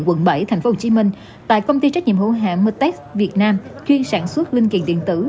quận bảy thành phố hồ chí minh tại công ty trách nhiệm hữu hạng mutex việt nam chuyên sản xuất linh kiện điện tử